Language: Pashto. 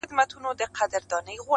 د دنیا له کوره تاته ارمانجن راغلی یمه-